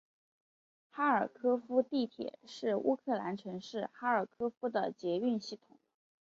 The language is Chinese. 哈尔科夫地铁是乌克兰城市哈尔科夫的捷运系统。